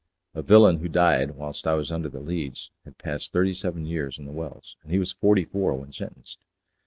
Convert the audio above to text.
A villain who died whilst I was under the Leads had passed thirty seven years in The Wells, and he was forty four when sentenced.